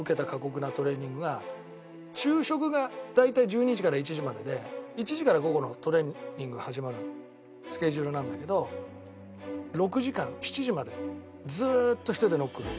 昼食が大体１２時から１時までで１時から午後のトレーニングが始まるスケジュールなんだけど６時間７時までずーっと１人でノック受けてた。